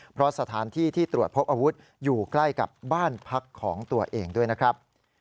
เพราะสถานที่ที่ตรวจพบอาวุธอยู่ใกล้กับบ้านพักของตัวเองด้วยนะครับ